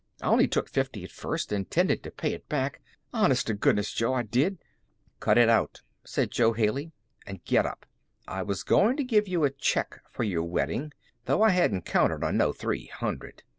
I only took fifty at first, intending to pay it back. Honest to goodness, Jo, I did." "Cut it out," said Jo Haley, "and get up. I was going to give you a check for your wedding, though I hadn't counted on no three hundred.